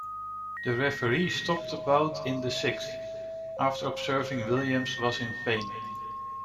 The referee stopped the bout in the sixth, after observing Williams was in pain.